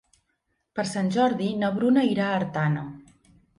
Per Sant Jordi na Bruna irà a Artana.